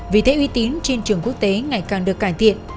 vì thế uy tín trên trường quốc tế ngày càng được cải thiện